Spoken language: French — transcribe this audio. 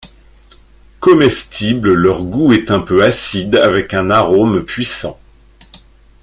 Comestibles leur goût est un peu acide avec un arôme puissant.